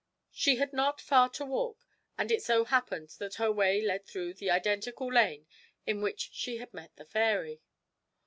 She had not far to walk, and it so happened that her way led through the identical lane in which she had met the fairy.